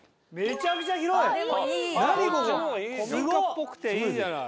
古民家っぽくていいじゃない。